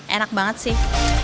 enak banget sih